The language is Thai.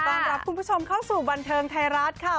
เป็นที่ต้องลับคุณผู้ชมเข้าสู่บันเทิงไทยรัฐค่ะ